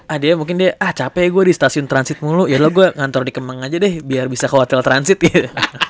adia mungkin deh ah capek gue di stasiun transit mulu ya lo gue ngantor di kemang aja deh biar bisa ke hotel transit gitu